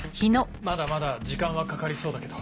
まだまだ時間はかかりそうだけど。